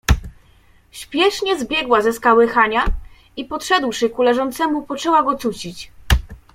"Śpiesznie zbiegła ze skały Hania, i podszedłszy ku leżącemu, poczęła go cucić."